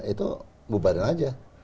itu bubarin aja